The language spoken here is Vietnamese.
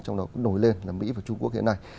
trong đó cũng nổi lên là mỹ và trung quốc hiện nay